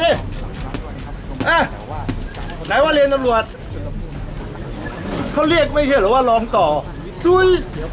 อ่ะไหนว่าเรียนตำรวจเขาเรียกไม่เชื่อหรือว่าล้อมต่อทุย